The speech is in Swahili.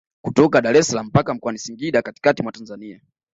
Kutoka Daressalaam mpaka Mkoani Singida katikati mwa Tanzania